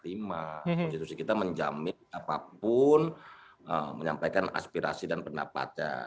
konstitusi kita menjamin apapun menyampaikan aspirasi dan pendapatnya